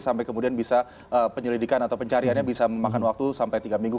sampai kemudian bisa penyelidikan atau pencariannya bisa memakan waktu sampai tiga minggu